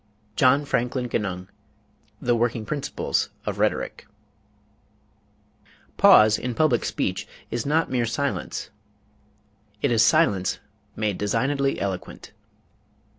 JOHN FRANKLIN GENUNG, The Working Principles of Rhetoric. Pause, in public speech, is not mere silence it is silence made designedly eloquent.